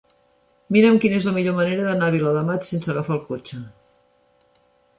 Mira'm quina és la millor manera d'anar a Viladamat sense agafar el cotxe.